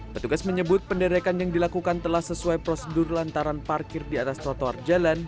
petugas menyebut penderakan yang dilakukan telah sesuai prosedur lantaran parkir di atas trotoar jalan